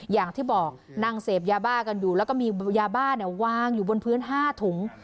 อย่างที่บอกนั่งเสพยาบ้ากันอยู่แล้วก็มียาบ้าวางอยู่บนพื้น๕ถุง